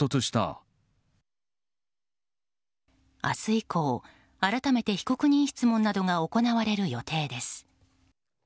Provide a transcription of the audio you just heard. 明日以降、改めて被告人質問が行われる予定です。